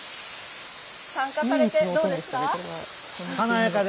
参加されてどうですか？